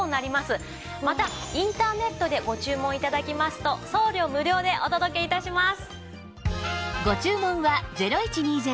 またインターネットでご注文頂きますと送料無料でお届け致します。